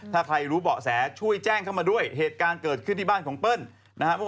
ถ้าใครรู้เบาะแสช่วยแจ้งเข้ามาด้วยเหตุการณ์เกิดขึ้นที่บ้านของเปิ้ลนะครับ